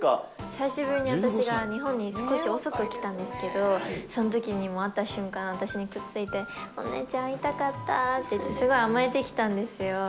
久しぶりに私が日本に少し遅く来たんですけど、そのときに会った瞬間、私にくっついて、お姉ちゃん、会いたかったっていって、すごい甘えてきたんですよ。